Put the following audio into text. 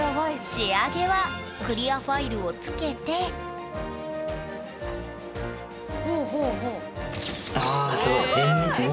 仕上げはクリアファイルをつけてあすごい。